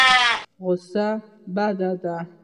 غوسه بده ده.